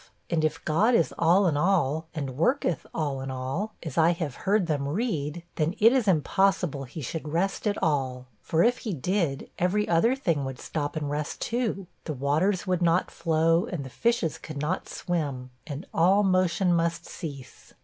And if "God is all in all," and "worketh all in all," as I have heard them read, then it is impossible he should rest at all; for if he did, every other thing would stop and rest too; the waters would not flow, and the fishes could not swim; and all motion must cease.